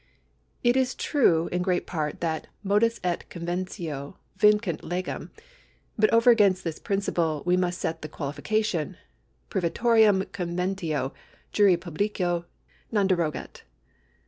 It is true in great part that Modus et convenlio vincunt legem ; but over against this principle we must set the qualifi cation, Privatorum conventio juri publico non derogat.